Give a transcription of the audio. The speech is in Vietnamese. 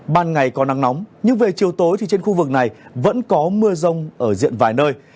ban ngày có nắng nóng nhưng về chiều tối trên khu vực này vẫn có mưa rông ở diện vài nơi